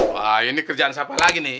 wah ini kerjaan siapa lagi nih